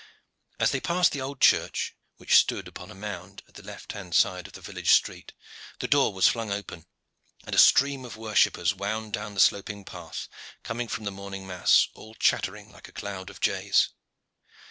As they passed the old church, which stood upon a mound at the left hand side of the village street the door was flung open, and a stream of worshippers wound down the sloping path, coming from the morning mass, all chattering like a cloud of jays.